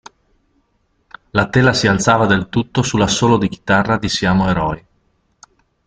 La tela si alzava del tutto sull'assolo di chitarra di "Siamo eroi".